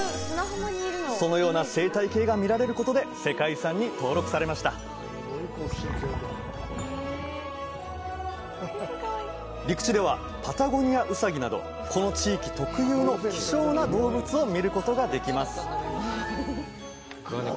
そのような生態系が見られることで世界遺産に登録されました陸地ではパタゴニアウサギなどこの地域特有の希少な動物を見ることができます